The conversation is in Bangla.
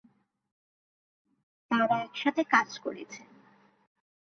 তারা একসাথে কাজ করেছেন।